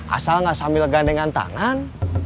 asal nggak sambil gandengan tangan